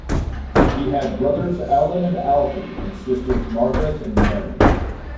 He had brothers Alan and Alfie and sisters Margaret and Mary.